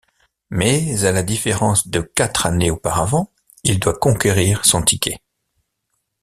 Mais à la différence de quatre années auparavant, il doit conquérir son ticket.